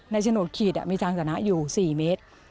โฉนดขีดมีทางสนะอยู่๔เมตร